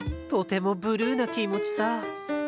とてもブルーな気持ちさ。